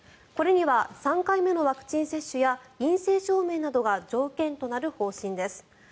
これには３回目のワクチン接種や陰性証明などが条件となる方針です。